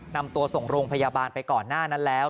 นำตัวส่งโรงพยาบาลไปก่อนหน้านั้นแล้ว